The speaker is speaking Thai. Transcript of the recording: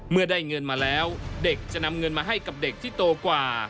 เมื่อได้เงินมาแล้วเด็กจะนำเงินมาให้กับเด็กที่โตกว่า